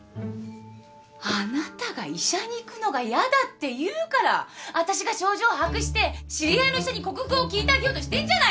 あなたが医者に行くのが嫌だっていうから私が症状を把握して知り合いの医者に克服法聞いてあげようとしてんじゃないのよ。